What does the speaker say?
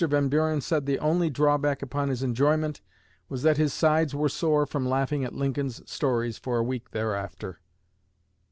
Van Buren said the only drawback upon his enjoyment was that his sides were sore from laughing at Lincoln's stories for a week thereafter."